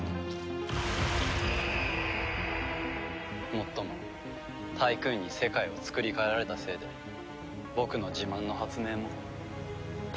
もっともタイクーンに世界をつくり変えられたせいで僕の自慢の発明もただの木に変わっちゃったけど。